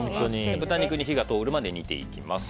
豚肉に火が通るまで煮ていきます。